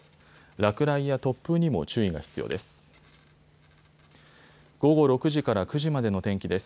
落雷や突風にも注意が必要です。